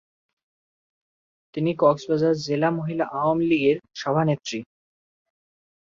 তিনি কক্সবাজার জেলা মহিলা আওয়ামী লীগের সভানেত্রী।